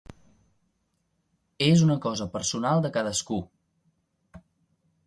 És una cosa personal de cadascú.